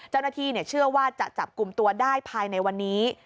เจ้าหน้าที่เชื่อว่าจะจับกลุ่มตัวได้ภายในวันนี้